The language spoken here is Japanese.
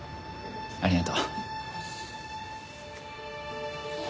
ありがとう。